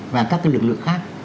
và các cái lực lượng khác